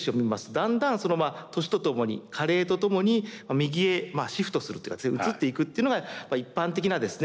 だんだん年とともに加齢とともに右へシフトするというか移っていくっていうのが一般的なですね